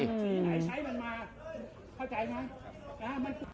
สีไหนใช้มันมาเข้าใจมั้ย